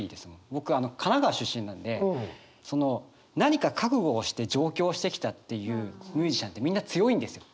僕あの神奈川出身なんで何か覚悟をして上京してきたっていうミュージシャンってみんな強いんですよ。